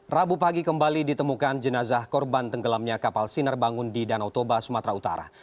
rabu pagi kembali ditemukan jenazah korban tenggelamnya kapal sinar bangun di danau toba sumatera utara